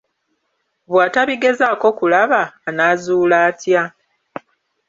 Bw'atabigezaako kulaba, anaazuula atya?